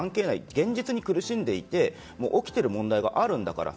現実に苦しんでいて起きている問題があるんだから。